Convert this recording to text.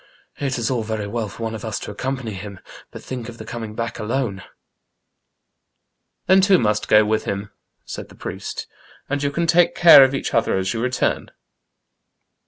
It is all very well for one of us to accompany bim, but think of the coming back alone !"'* Then two must go witb bim," said the priest, " and you can take care of each other as you return."